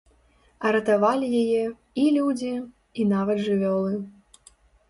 А ратавалі яе і людзі, і нават жывёлы!